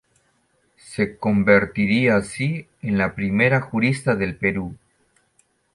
Se convertiría así en la primera jurista del Perú.